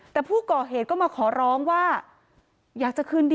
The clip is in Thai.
แต่ผู้ก่อเหตุก็มาขอร้องว่า